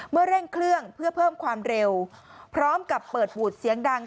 เร่งเครื่องเพื่อเพิ่มความเร็วพร้อมกับเปิดวูดเสียงดัง